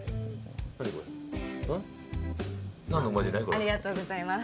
ありがとうございます。